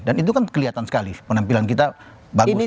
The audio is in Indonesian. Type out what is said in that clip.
dan itu kan kelihatan sekali penampilan kita bagus